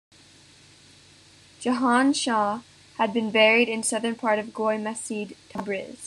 Jahan Shah had been buried in southern part of Goy Macid, Tabriz.